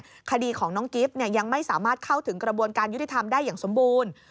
คดีของน้องกิฟต์ยังไม่สามารถเข้าถึงกระบวนการยุติธรรมได้อย่างสมบูรณ์